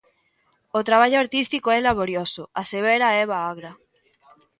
O traballo artístico é laborioso, asevera Eva Agra.